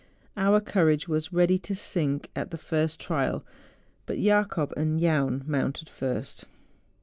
Our courage was ready to sink at the first trial; but Jacob and Jaun mounted first.